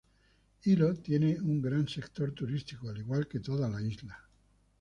Hilo tiene un gran sector turístico, al igual que toda la isla.